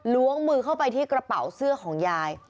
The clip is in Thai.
ล้วงมือเข้าไปที่กระเป๋าเสื้อของยาย